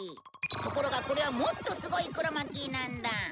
ところがこれはもっとすごいクロマキーなんだ。